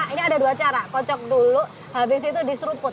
ini ada dua cara kocok dulu habis itu diseruput